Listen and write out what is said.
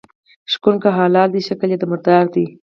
شکوڼ که حلال ده شکل یي د مردار ده.